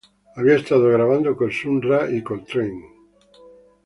Había estado grabando con Sun Ra y Coltrane...